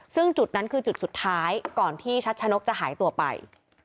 ซึ่งจุดนั้นคือจุดสุดท้ายก่อนที่ชัชนกจะหายตัวไป